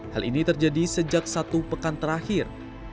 hal ini terjadi sejak satu pekan terakhir